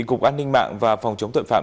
cục an ninh mạng và phòng chống tội phạm